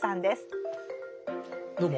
どうも。